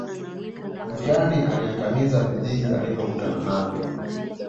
Njiani aliangamiza vijiji alivyokutana navyo